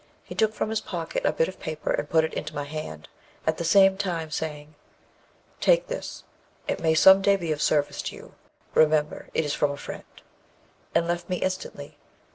He took from his pocket a bit of paper and put it into my hand, at the same time saying, 'Take this, it may some day be of service to you; remember it is from a friend,' and left me instantly.